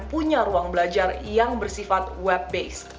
punya ruang belajar yang bersifat web base